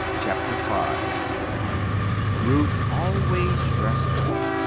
Chapter V Ruth always dressed well.